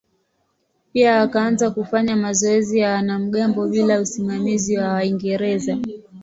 Pia wakaanza kufanya mazoezi ya wanamgambo bila usimamizi wa Waingereza.